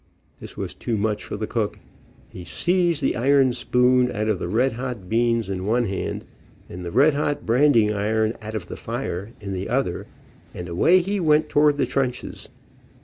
This was too much for the cook. He seized th v e iron spoon out of the red hot beans, in one hand, and the red hot branding iron out of the fire, in the other, and away he went towards the trenches.